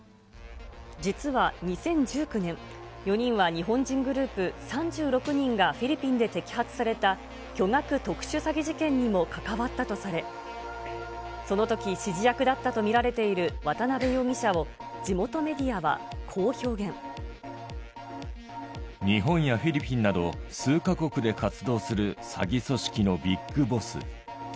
実は２０１９年、４人は日本人グループ３６人がフィリピンで摘発された巨額特殊詐欺事件にも関わったとされ、そのとき、指示役だったと見られている渡辺容疑者を、地元メディアはこう表日本やフィリピンなど、数か国で活動する詐欺組織のビッグボス。